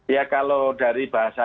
ya kalau dari bahasa